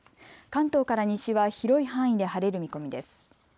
関東から西は広い範囲で晴れる見込みです。